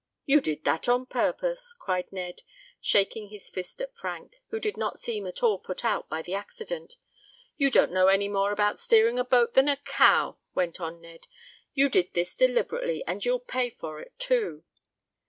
"You did that on purpose!" cried Ned, shaking his fist at Frank, who did not seem at all put out by the accident. "You don't know any more about steering a boat than a cow!" went on Ned. "You did this deliberately, and you'll pay for it, too."